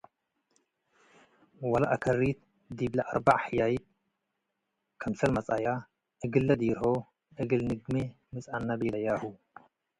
ወለአከሪ'ት ዲብ ለአርበዕ ሕያይት ክምሰል መጽአየ፡ እግል ለዲርሆ፤ “እግል ንግሜ ምጽአነ'” ቤለያሁ።